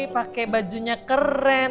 pake bajunya keren